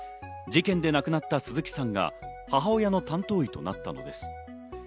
事件で亡くなった鈴木さんが母親の担当医となったのです。